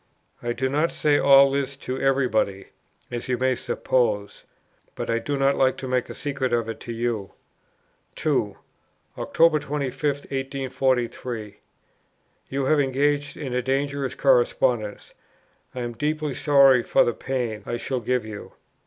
"I do not say all this to every body, as you may suppose; but I do not like to make a secret of it to you." 2. "Oct. 25, 1843. You have engaged in a dangerous correspondence; I am deeply sorry for the pain I shall give you.